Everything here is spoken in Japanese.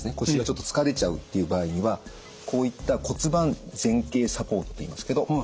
腰がちょっと疲れちゃうっていう場合にはこういった骨盤前傾サポートといいますけど。